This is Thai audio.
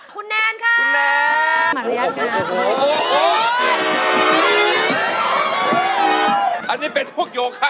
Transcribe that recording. คุณแนนค่ะ